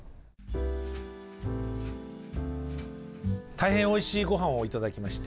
大変おいしいごはんをいただきまして。